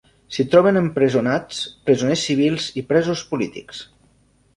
S'hi troben empresonats presoners civils i presos polítics.